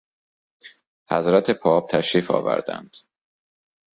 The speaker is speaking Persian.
حضرت پاپ تشریف آوردند.